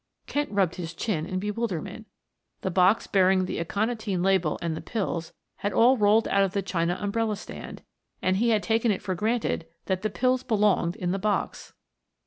Kent rubbed his chin in bewilderment. The box bearing the aconitine label and the pills had all rolled out of the china umbrella stand, and he had taken it for granted that the pills belonged in the box.